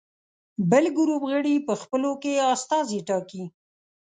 بل ګروپ غړي په خپلو کې استازي ټاکي.